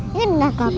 ini nak kak bel